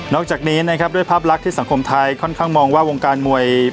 จากนี้นะครับด้วยภาพลักษณ์ที่สังคมไทยค่อนข้างมองว่าวงการมวย